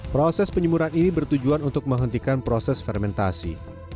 proses penyemuran ini bertujuan untuk menghentikan proses fermentasi